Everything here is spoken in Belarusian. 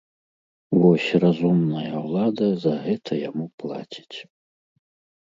Вось разумная ўлада за гэта яму плаціць!